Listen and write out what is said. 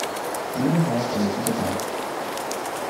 Jeden Tag eine gute Tat.